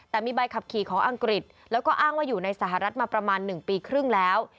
แต่มีใบขับขี่ของอังกฤษแล้วก็อ้างว่าอยู่ในสหรัฐมาประมาณ๑ปีครึ่งแล้ว